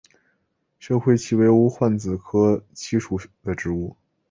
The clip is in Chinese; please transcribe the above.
深灰槭为无患子科槭属的植物。